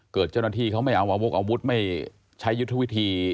เกิดเจ้าหน้าที่ไม่เอาอาวุธไม่ใช้ยุทธวิธี